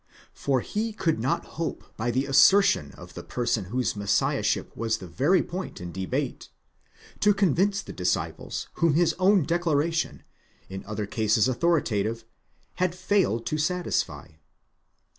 For he could not hope by the assertion of the person whose Messiahship was the very point in debate, to convince the disciples whom his own declaration, in other cases authoritative, had failed to satisfy.